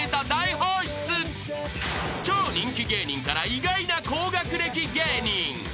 ［超人気芸人から意外な高学歴芸人］